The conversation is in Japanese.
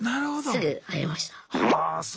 すぐ入れました。